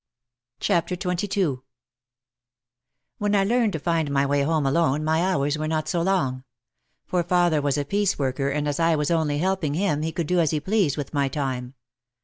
OUT OF THE SHADOW 89 XXII When I learned to find my way home alone my hours were not so long. For father was a piece worker and as I was only helping him he could do as he pleased with my time.